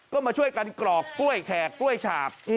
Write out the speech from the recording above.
ก็มาช่วยกันกรอกกล้วยแขกกล้วยฉาบ